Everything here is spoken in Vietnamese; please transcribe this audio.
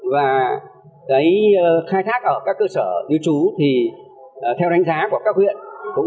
và khai thác ở các cơ sở như chú thì theo đánh giá của các huyện cũng đạt khoảng sáu mươi